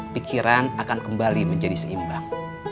pikiran akan kembali menjadi seimbang